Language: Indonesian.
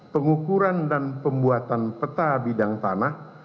pengukuran dan pembuatan peta bidang tanah